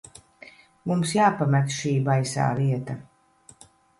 Mums jāpamet šī baisā vieta.